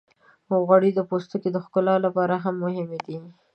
غوړې د پوستکي د ښکلا لپاره هم مهمې دي.